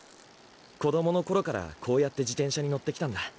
子供の頃からこうやって自転車に乗ってきたんだ。